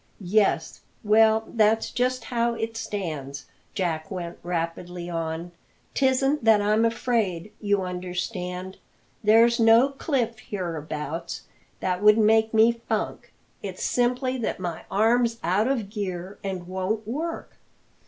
"Yes? Well, that's just how it stands," Jack went rapidly on. "Tisn't that I'm afraid, you understand there's no cliff hereabouts that would make me funk it's simply that my arm's out of gear and won't work.